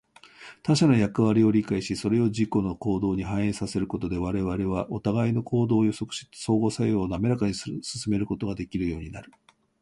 他者の役割を理解し、それを自己の行動に反映させることで、我々はお互いの行動を予測し、相互作用をなめらかに進めることができるようになる。